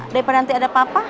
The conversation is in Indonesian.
daripada nanti ada papa